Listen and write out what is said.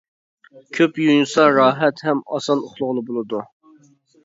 كۆپ يۇيۇنسا راھەت ھەم ئاسان ئۇخلىغىلى بولىدۇ.